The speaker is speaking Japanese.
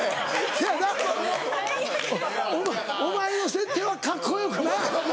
せやなお前の設定はカッコよくな。